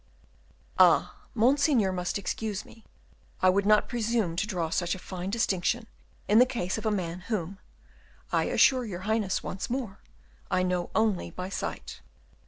"Ah, Monseigneur must excuse me; I would not presume to draw such a fine distinction in the case of a man whom, I assure your Highness once more, I know only by sight."